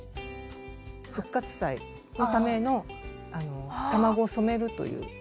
復活祭のための卵を染めるという体験を。